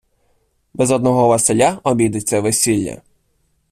Без одного Василя обійдеться весілля.